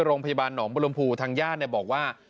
โรงพยาบาลอ๋อมบลมพูทางย่านบอกว่า